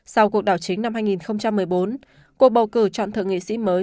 sau cuộc đảo chính năm hai nghìn một mươi bốn cuộc bầu cử chọn thượng nghị sĩ mới